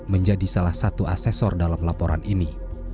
menjadi salah satu asesor dalam laporan ini